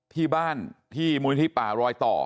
ที่บ้านที่มูลนิธิป่ารอยต่อ